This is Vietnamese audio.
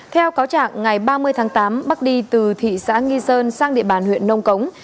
theo cáo trạng ngày ba mươi tháng tám bắc đi từ thị xã nghi sơn sang địa bàn huyện nông cống